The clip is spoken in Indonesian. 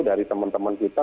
dari teman teman kita